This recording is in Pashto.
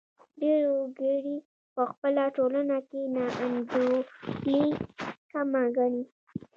ډېر وګړي په خپله ټولنه کې ناانډولي کمه ګڼي.